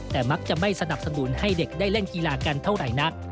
แต่มักจะไม่สนับสนุนให้เด็กได้เล่นกีฬากัน